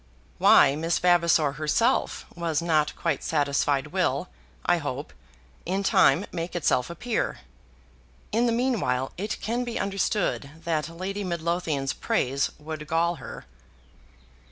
Why Miss Vavasor herself was not quite satisfied will, I hope, in time make itself appear. In the meanwhile it can be understood that Lady Midlothian's praise would gall her.